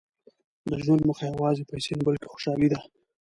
• د ژوند موخه یوازې پیسې نه، بلکې خوشالي ده.